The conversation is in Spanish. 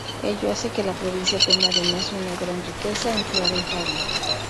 Ello hace que la provincia tenga además una gran riqueza en flora y fauna.